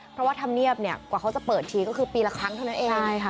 เพราะว่าธรรมเนียบเนี่ยกว่าเขาจะเปิดทีก็คือปีละครั้งเท่านั้นเอง